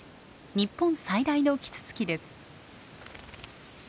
日本最大のキツツキです。